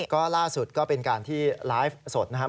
ก็ล่าสุดก็เป็นการที่ไลฟ์สดนะครับ